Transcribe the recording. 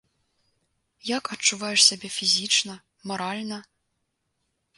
Як адчуваеш сябе фізічна, маральна?